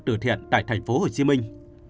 từ thiện tại thành phố hồ chí minh